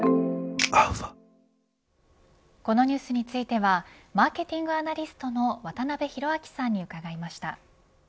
このニュースについてはマーケティングアナリストの渡辺広明さんに伺いました。